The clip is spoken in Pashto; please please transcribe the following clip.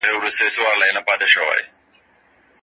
هغه د موټر له تېرېدو وروسته په هوا کې خاورې ولیدې.